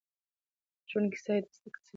د ژوند کيسه يې د زده کړې سرچينه ده.